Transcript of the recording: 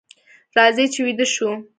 راځئ چې ویده شو.